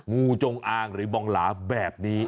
งูจงอางหรือบองหลาแบบนี้